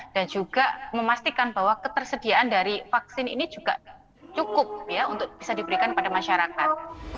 juga memastikan bahwa ketersediaan dari vaksin ini juga cukup ya untuk bisa diberikan kepada masyarakat